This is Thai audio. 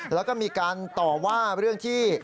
แล้วก็มีการต่อว่าเรื่องที่